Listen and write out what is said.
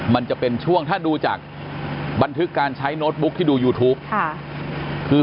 มันจะเป็นช่วงถ้าดูจากบันทึกการใช้โน้ตบุ๊กที่ดูยูทูป